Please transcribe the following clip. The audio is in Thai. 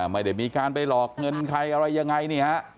ไม่ได้มีการไปหลอกเงินใครอะไรยังไงนี่ฮะ